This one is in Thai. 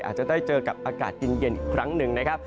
อาจจะได้เจอกับอากาศเย็นอีกครั้งหนึ่งนะครับ